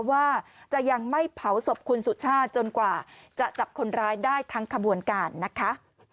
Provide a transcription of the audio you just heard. ว่าจะยังไม่เผาศพคุณสุชาติจนกว่าจะจับคนร้ายได้ทั้งขบวนการนะคะ